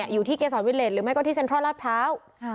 อยู่ที่เกษตรวิทเลนส์หรือไม่ก็ที่เซนทรอดรับเท้า